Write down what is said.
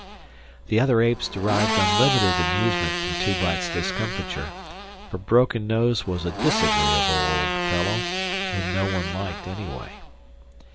The other apes derived unlimited amusement from Tublat's discomfiture, for Broken Nose was a disagreeable old fellow, whom no one liked, anyway.